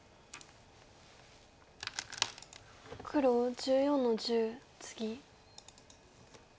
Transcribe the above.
黒１４の十ツギ。